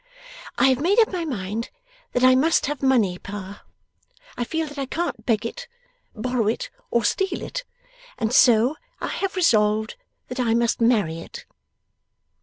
'I have made up my mind that I must have money, Pa. I feel that I can't beg it, borrow it, or steal it; and so I have resolved that I must marry it.